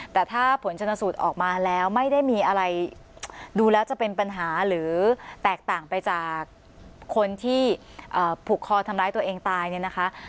แต่ถ้าผลชนสูตรออกมาแล้วไม่ได้มีอะไรดูแล้วจะเป็นปัญหาหรือแตกต่างไปจากคนที่ผูกคอทำร้ายตัวเองตายเนี่ยนะคะ